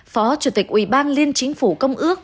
phó chủ tịch ủy ban liên chính phủ công ước